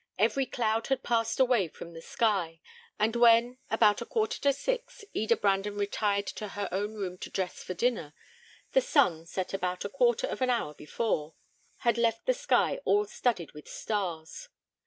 Every cloud had passed away from the sky; and when, about a quarter to six, Eda Brandon retired to her own room to dress for dinner, the sun, set about a quarter of an hour before, had left the sky all studded with stars.